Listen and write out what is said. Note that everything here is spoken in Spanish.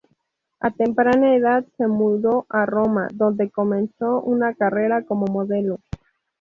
A temprana edad se mudó a Roma, donde comenzó una carrera como modelo.